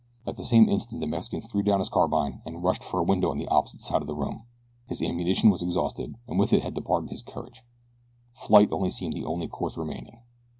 At the same instant the Mexican threw down his carbine and rushed for a window on the opposite side of the room. His ammunition was exhausted and with it had departed his courage. Flight seemed the only course remaining.